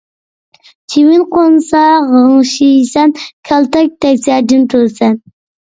چىۋىن قونسا غىڭشىيسەن، كالتەك تەگسە جىم تۇرىسەن